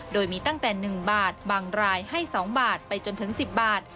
โดยมีตั้งแต่๑บาทบางรายให้๒บาทไปจนถึง๑๐บาท